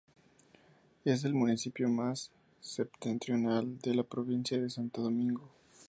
Es el municipio más septentrional de la provincia de Santo Domingo.